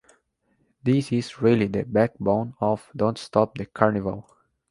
This is really the backbone of "Don’t Stop The Carnival".